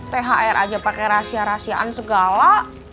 thr aja pakai rahasia rahasiaan segala